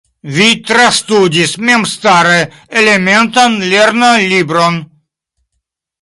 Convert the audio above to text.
Vi trastudis memstare elementan lernolibron.